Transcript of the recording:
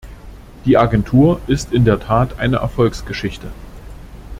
Die Agentur ist in der Tat eine Erfolgsgeschichte.